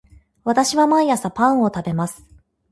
私は毎朝パンを食べます